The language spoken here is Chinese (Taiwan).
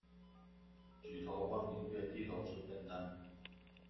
舉頭望明月，低頭吃便當